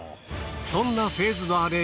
そんなフェーズドアレイ